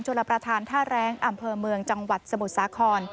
รับประทานท่าแรงอำเภอเมืองจังหวัดสมุทรสาคร